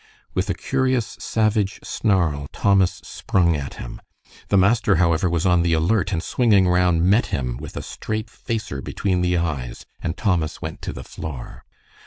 With a curious savage snarl Thomas sprung at him. The master, however, was on the alert, and swinging round, met him with a straight facer between the eyes, and Thomas went to the floor.